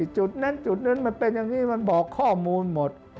จุดนั้นจุดนั้นมันเป็นอย่างนี้มันบอกข้อมูลหมด